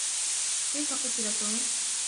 كيف قُتِل توم؟